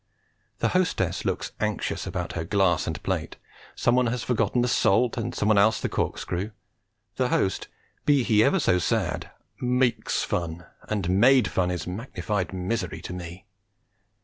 The hostess looks anxious about her glass and plate; someone has forgotten the salt, and some one else the corkscrew. The host, be he ever so sad, makes fun, and made fun is magnified misery to me.